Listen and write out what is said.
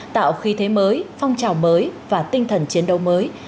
tạo khí thế mới phong trào mới và tinh thần chiến đấu mới